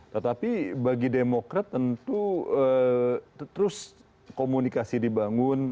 tetapi bagi demokrat tentu terus komunikasi dibangun